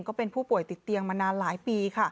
ก็เป็นผู้ป่วยติดเตียงมานานหลายปี